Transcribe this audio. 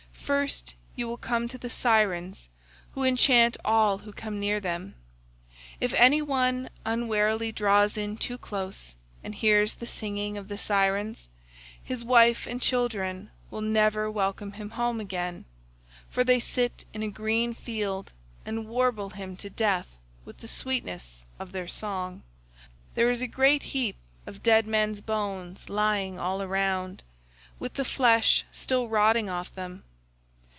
First you will come to the Sirens who enchant all who come near them. If any one unwarily draws in too close and hears the singing of the Sirens, his wife and children will never welcome him home again, for they sit in a green field and warble him to death with the sweetness of their song. There is a great heap of dead men's bones lying all around, with the flesh still rotting off them.